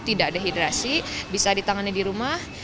tidak dehidrasi bisa ditangani di rumah